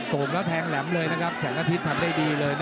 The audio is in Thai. โก่งแล้วแทงแหลมเลยนะครับแสงอาทิตย์ทำได้ดีเลย